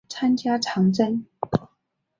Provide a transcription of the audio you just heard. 参加长征。